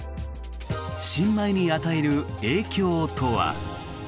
新米に与える影響とは。